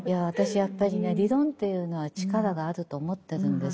やっぱり理論っていうのは力があると思ってるんです。